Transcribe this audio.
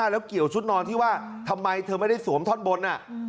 แล้วเกี่ยวชุดนอนที่ว่าทำไมเธอไม่ได้สวมท่อนบน